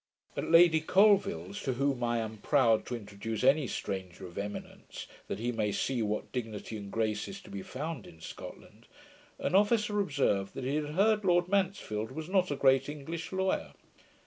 At Lady Colvill's, to whom I am proud to introduce any stranger of eminence, that he may see what dignity and grace is to be found in Scotland, an officer observed, that he had heard Lord Mansfield was not a great English lawyer.